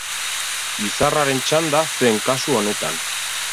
Izarraren txanda zen kasu honetan.